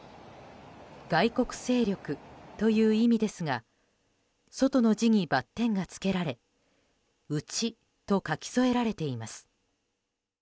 外国勢力という意味ですが「外」の字にバッテンがつけられ「内」と書き添えられています。